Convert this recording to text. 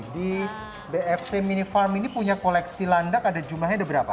di bfc mini farm ini punya koleksi landak ada jumlahnya ada berapa